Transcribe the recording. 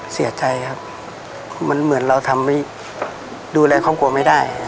เสียใจครับมันเหมือนเราทำให้ดูแลครอบครัวไม่ได้